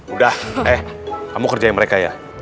udah eh kamu kerjain mereka ya